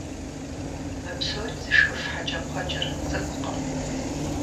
Мы псори зышхыф хьэкӀэкхъуэкӀэр цӀыкӀукъым.